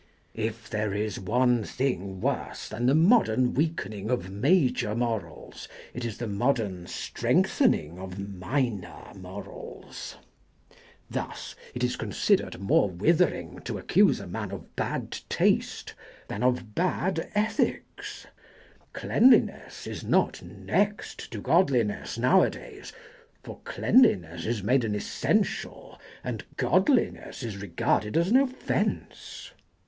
If there is one thing worse than the modern weakening of major morals it is the modern strengthening of minor morals. Thus it is considered more withering to accuse a man of bad taste than of bad ethics. Cleanliness is not next to godliness nowadays, for cleanliness is made an essential and godliness is regarded as an offence.